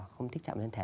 không thích chạm lên thẻ